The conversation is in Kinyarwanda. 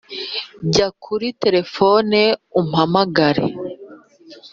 jya kuri terefone umpamagare